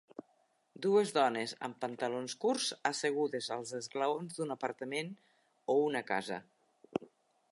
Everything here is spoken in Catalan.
Dues dones amb pantalons curts assegudes als esglaons d'un apartament o una casa.